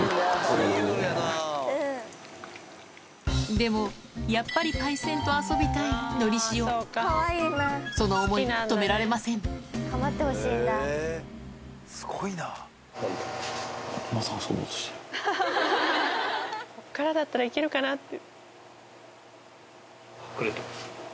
でもやっぱりのりしおその思い止められませんここからだったら行けるかなって。